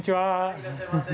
いらっしゃいませ。